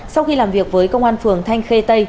sau khi làm việc với công an phường thanh khê tây